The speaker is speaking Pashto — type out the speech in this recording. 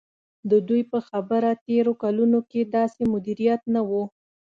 د دوی په خبره تېرو کلونو کې داسې مدیریت نه و.